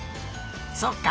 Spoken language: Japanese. そっか。